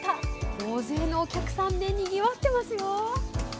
大勢のお客さんでにぎわっていますよ。